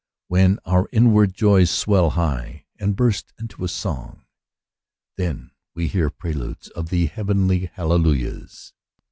When our inward joys swell high, and burst into a song, then we hear preludes of the heavenly hallelujahs.